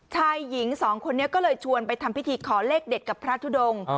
ชายหญิงสองคนนี้ก็เลยชวนไปทำพิธีขอเลขเด็ดกับพระทุดง